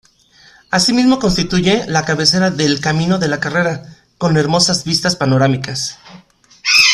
Asimismo constituye la cabecera del Camino de La Carrera, con hermosas vistas panorámicas.